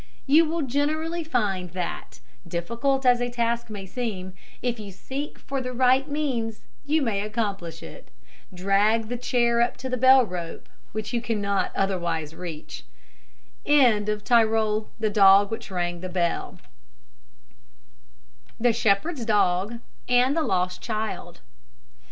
You will generally find that, difficult as a task may seem, if you seek for the right means you may accomplish it. Drag the chair up to the bell rope which you cannot otherwise reach. THE SHEPHERD'S DOG AND THE LOST CHILD.